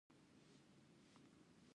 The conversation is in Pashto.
د ناروغانو لپاره د میوو اوبه ښې دي.